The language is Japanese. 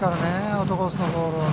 アウトコースのボールを。